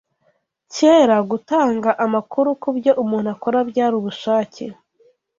Kera gutanga amakuru ku byo umuntu akora byari ubushake